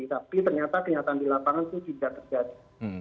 tapi ternyata kenyataan di lapangan itu tidak terjadi